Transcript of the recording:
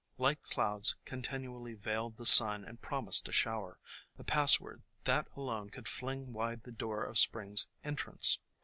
Light clouds continually veiled the sun and prom ised a shower, the password that alone could fling wide the door for Spring's entrance.